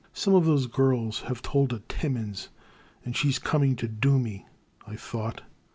'' Some of those g^rls have told a Timmins, and she *s coming to do me !" I thought.